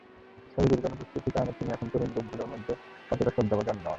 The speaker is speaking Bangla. তবে দীর্ঘ অনুপস্থিতির কারণে তিনি এখন তরুণ গ্রুপগুলোর মধ্যে অতটা শ্রদ্ধাভাজন নন।